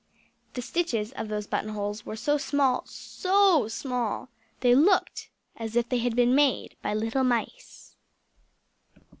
The stitches of those button holes were so small so small they looked as if they had been made by little mice!